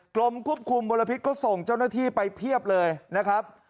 กรมควบคุมมลพิษก็ส่งเจ้าหน้าที่ไปเพียบเลยนะครับ